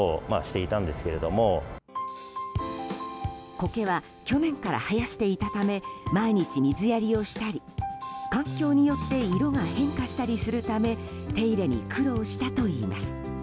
コケは去年から生やしていたため毎日水やりをしたり環境によって色が変化したりするため手入れに苦労したといいます。